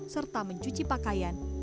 serta mencuci pakaian di kamar